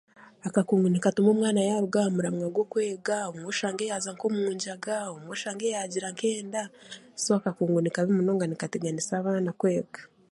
Akakungu nikatuma omwana yaaruga aha muramwa gw'okwega obumwe oshange yaaza nk'omu ngyaga obumwe oshange yaagira nk'enda so akakungu nikabi munonga nikateganisa abaana kwega